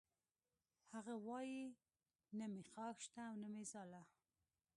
هغه وایی نه مې خاښ شته او نه ځاله